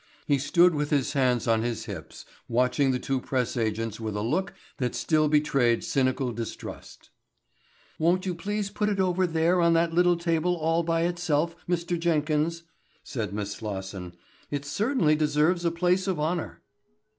He stood with his hands on his hips watching the two press agents with a look that still betrayed cynical distrust. "Won't you please put it over there on that little table all by itself, Mr. Jenkins," said Miss Slosson. "It certainly deserves a place of honor."